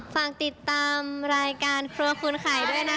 ฝากติดตามรายการครัวคุณไข่ด้วยนะคะ